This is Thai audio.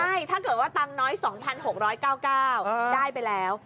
ใช่ถ้าเกิดว่าตังค์น้อยสองพันหกร้อยเก้าเกล้าได้ไปแล้ว